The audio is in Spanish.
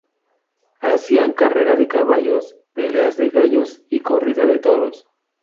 Hacían carrera de caballos, peleas de gallos y corrida de toros.